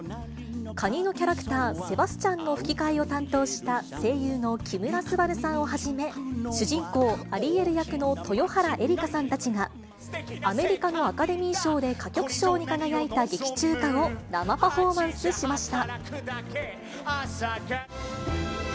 カニのキャラクター、セバスチャンの吹き替えを担当した声優の木村昴さんをはじめ、主人公、アリエル役の豊原江理佳さんたちが、アメリカのアカデミー賞で歌曲賞に輝いた劇中歌を生パフォーマンスしました。